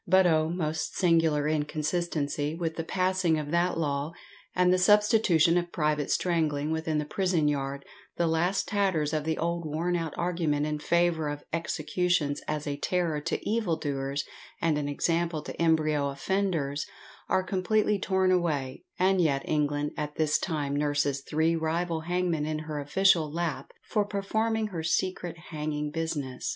But oh! most singular inconsistency, with the passing of that law, and the substitution of private strangling within the prison yard, the last tatters of the old worn out argument in favour of executions as a terror to evil doers and an example to embryo offenders, are completely torn away, and yet England at this time nurses three rival hangmen in her official lap for performing her secret hanging business!